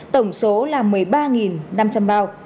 tổng số là một mươi ba năm trăm linh bao